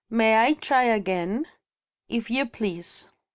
"May I try again?" "If you please."